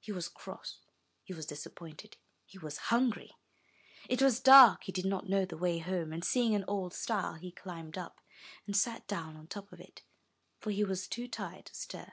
He was cross, he was disappointed, he was hungry. It was dark, he did not know the way home, and, seeing an old stile, he climbed up, and sat down on the top of it, for he was too tired to stir.